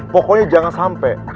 pokoknya jangan sampe